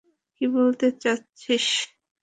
কি বলতে চাচ্ছিস?